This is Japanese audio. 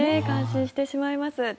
感心してしまいます。